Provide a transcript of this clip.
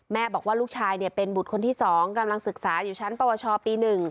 บอกว่าลูกชายเป็นบุตรคนที่๒กำลังศึกษาอยู่ชั้นปวชปี๑